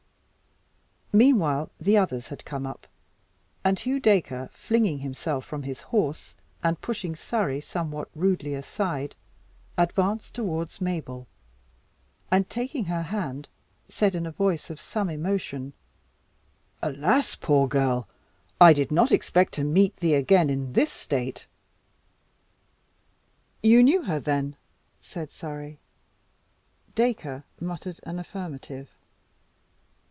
Meanwhile, the others had come up, and Hugh Dacre, flinging himself from his horse, and pushing Surrey somewhat rudely aside, advanced towards Mabel, and, taking her hand, said, in a voice of some emotion, "Alas! poor girl! I did not expect to meet thee again in this state." "You knew her, then?" said Surrey. Dacre muttered an affirmative.